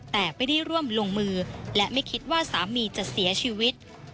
แต่ไม่ได้ร่วมลงมือและไม่คิดว่าสามีจะเสียชีวิต